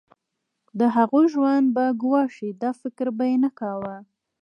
د هغوی ژوند به ګواښي دا فکر به یې نه کاوه.